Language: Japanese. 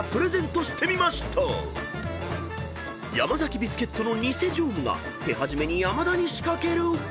［ヤマザキビスケットのニセ常務が手始めに山田に仕掛ける］